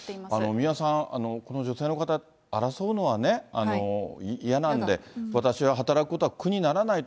三輪さん、この女性の方、争うのはね、嫌なんで、私は働くことは苦にならないと。